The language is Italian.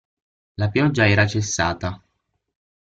La pioggia era cessata.